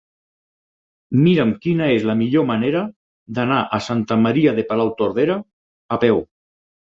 Mira'm quina és la millor manera d'anar a Santa Maria de Palautordera a peu.